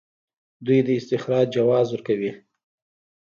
دوی د استخراج جواز ورکوي.